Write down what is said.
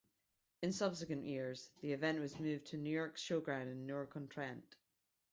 In subsequent years, the event was moved to Newark Showground in Newark-on-Trent.